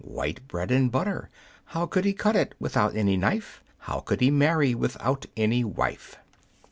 white bread and butter. How could he cut it, without any knife? How could he marry, without any wife?